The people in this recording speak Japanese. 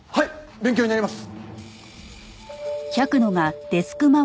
勉強になります！